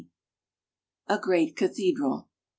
A GREAT CATHEDRAL.